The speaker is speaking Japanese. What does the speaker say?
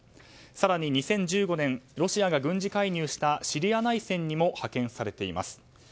更に２０１５年ロシアが軍事介入したシリア内戦にも派遣されています。